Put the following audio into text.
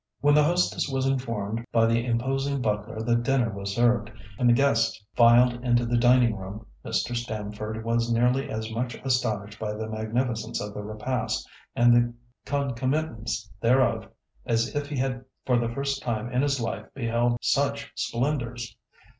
When the hostess was informed by the imposing butler that dinner was served, and the guests filed into the dining room, Mr. Stamford was nearly as much astonished by the magnificence of the repast and the concomitants thereof as if he had for the first time in his life beheld such splendours.